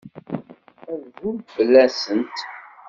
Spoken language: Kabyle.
Azul fell-asent.